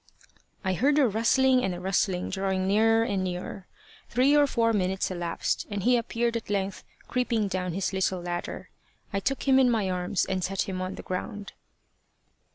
I heard a rustling and a rustling drawing nearer and nearer. Three or four minutes elapsed, and he appeared at length creeping down his little ladder. I took him in my arms, and set him on the ground.